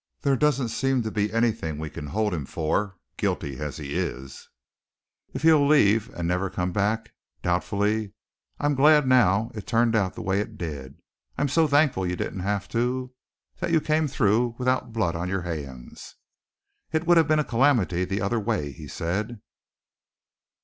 There doesn't seem to be anything we can hold him for, guilty as he is." "If he'll leave, and never come back," doubtfully. "I'm glad now it turned out the way it did, I'm so thankful you didn't have to that you came through without blood on your hands!" "It would have been a calamity the other way," he said.